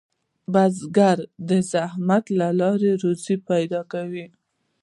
بزګر د زحمت له لارې روزي پیدا کوي